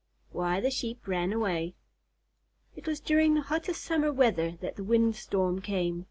WHY THE SHEEP RAN AWAY It was during the hottest summer weather that the wind storm came.